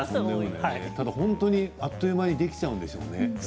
本当にあっという間にできちゃうんですよね。